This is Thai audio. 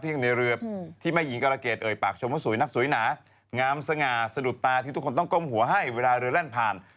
ยังในเรือที่แม่หญิงกรเกษเอ่ยปากชมว่าสวยนักสวยหนางามสง่าสะดุดตาที่ทุกคนต้องก้มหัวให้เวลาเรือแล่นผ่าน